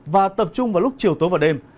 và tập trung vào lúc chiều tối và đêm